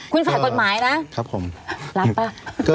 คุณฝ่ากฎหมายนะรับป่ะคุณฝ่ากฎหมายนะครับผม